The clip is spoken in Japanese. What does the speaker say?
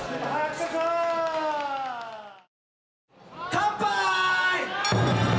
乾杯！